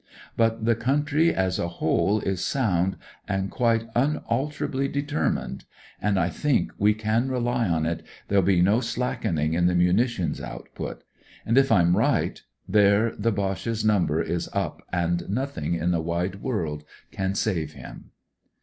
But the coun try as a whole is sound, and quite unalter THE HOSPITAL MAIL BAGS 188 ably determined, and I think we can rely on it there'll be no slackening in the muni tions output; and if I*m rifht there the Boche's number is up and nothing in the wide world can save him."